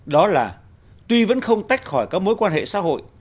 đó là tuy vẫn không tách khỏi các mối quan hệ xã hội